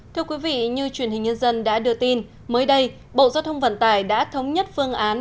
thưa quý vị như truyền hình nhân dân đã đưa tin mới đây bộ giao thông vận tải đã thống nhất phương án